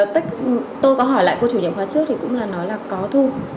thì tôi có hỏi lại cô chủ nhiệm khóa trước thì cũng là nói là có thu